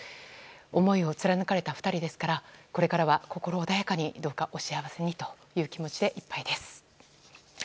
思いを貫かれた２人ですからこれからは心穏やかにどうかお幸せにという気持ちでいっぱいです。